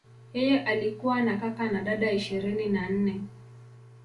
Yeye alikuwa na kaka na dada ishirini na nne.